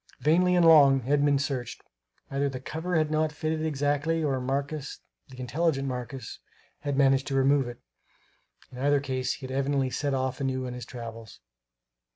Vainly and long Edmund searched; either the cover had not fitted exactly, or Marcus, the intelligent Marcus, had managed to remove it; in either case he had evidently set off anew on his travels.